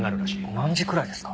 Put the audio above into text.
何時くらいですか？